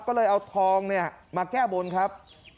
ก็เลยเอาทองเนี่ยมาแก้บนครับ